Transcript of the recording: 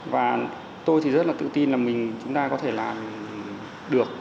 và tôi thì rất là tự tin là mình chúng ta có thể làm được